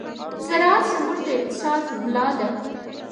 زراعت زموږ د اقتصاد ملا ده.